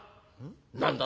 「何だ？